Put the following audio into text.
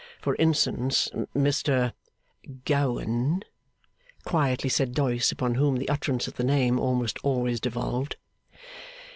For instance, Mr ' 'Gowan,' quietly said Doyce, upon whom the utterance of the name almost always devolved.